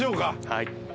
はい。